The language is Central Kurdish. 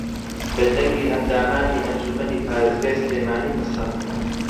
بە دەنگی ئەندامانی ئەنجوومەنی پارێزگای سلێمانی پەسەندکرا